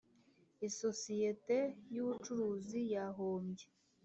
isosiyete y ubucuruzi yahombye